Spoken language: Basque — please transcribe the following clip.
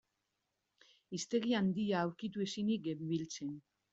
Hiztegi handia aurkitu ezinik genbiltzan.